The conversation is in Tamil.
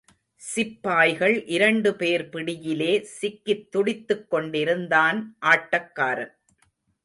சிப்பாய்கள் இரண்டு பேர் பிடியிலே சிக்கித் துடித்துக் கொண்டிருந்தான் ஆட்டக்காரன்.